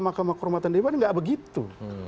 makam kehormatan dewa itu tidak begitu